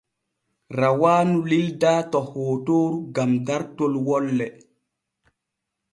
Rawaanu lildaa to hootooru gam dartot wolle.